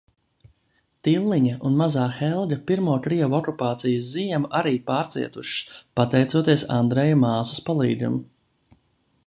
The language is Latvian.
Tilliņa un mazā Helga pirmo krievu okupācijas ziemu arī pārcietušas, pateicoties Andreja māsas palīgam.